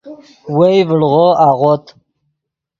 وئے ڤڑغو اغوت